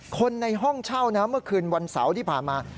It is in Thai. คนในห้องเช่านะเมื่อคืนวันเสาร์ที่ผ่านมา